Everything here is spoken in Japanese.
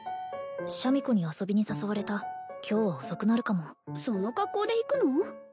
シャミ子に遊びに誘われた今日は遅くなるかもその格好で行くの？